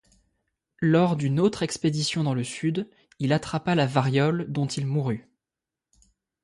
Lors d'une autre expédition dans le sud, il attrapa la variole, dont il mourut.